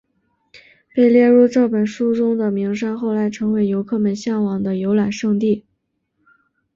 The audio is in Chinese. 被列入这本书中的名山后来成为游客们向往的游览胜地。